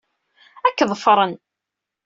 Ad k-ḍefren.